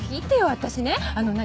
私ねあの何？